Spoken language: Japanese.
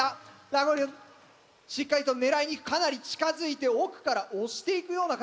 ラゴリをしっかりと狙いにかなり近づいて奥から押していくような形。